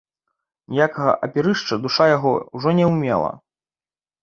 Ніякага апірышча душа яго ўжо не мела.